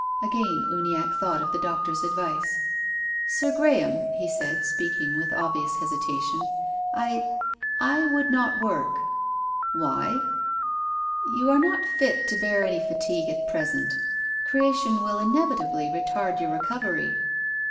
Again Uniacke thought of the doctor's advice. " Sir Graham," he said, speaking with obvious hesitation, " I — I would not work." 78 TONGUES OF CONSCIENCE. "Why?" " You are not fit to bear any fatigue at present. Creation will inevitably retard your recovery."